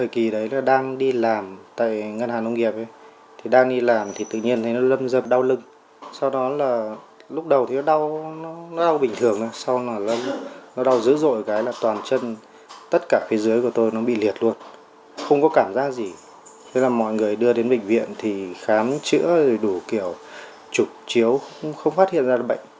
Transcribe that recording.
khi tôi đến bệnh viện thì khám chữa rồi đủ kiểu chụp chiếu không phát hiện ra là bệnh